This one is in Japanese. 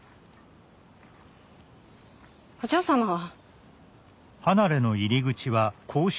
お嬢様は。